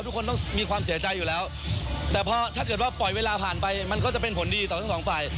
ทุกคนต้องมีความเสียใจอยู่แล้วแต่พอถ้าเกิดว่าปล่อยเวลาผ่านไปมันก็จะเป็นผลดีต่อทั้งสองฝ่าย